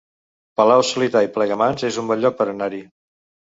Palau-solità i Plegamans es un bon lloc per anar-hi